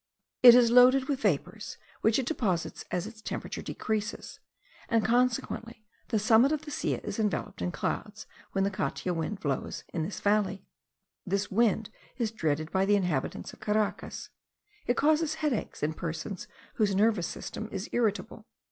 It is loaded with vapours, which it deposits as its temperature decreases, and consequently the summit of the Silla is enveloped in clouds, when the catia blows in the valley. This wind is dreaded by the inhabitants of Caracas; it causes headache in persons whose nervous system is irritable.